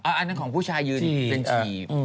อันนั้นของผู้ชายยืนเป็นถีบ